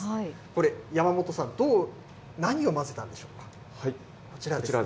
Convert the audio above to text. これ、山本さん、何を混ぜたんでしょうか。